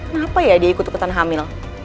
kenapa ya dia ikut ikutan hamil